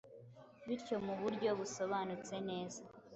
bityo mu buryo busobanutse neza,